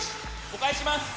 お返しします。